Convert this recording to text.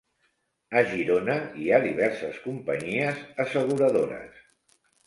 A Girona hi ha diverses companyies asseguradores.